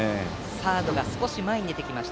サードが少し前に出てきています。